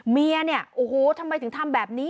เมียเนี่ยโอ้โหทำไมถึงทำแบบนี้